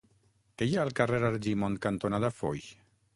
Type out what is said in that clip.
Què hi ha al carrer Argimon cantonada Foix?